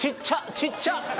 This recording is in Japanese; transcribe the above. ちっちゃ！